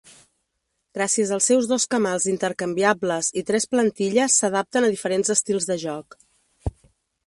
Gràcies als seus dos camals intercanviables i tres plantilles s'adapten a diferents estils de joc.